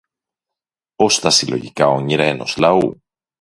ως τα συλλογικά όνειρα ενός λαού